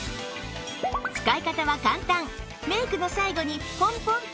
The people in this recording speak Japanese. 使い方は簡単